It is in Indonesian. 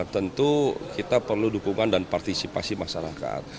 tentu kita perlu dukungan dan partisipasi masyarakat